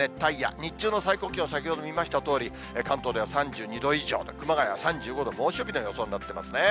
日中の最高気温、先ほど見ましたとおり、関東では３２度以上と、熊谷は３５度、猛暑日の予想になってますね。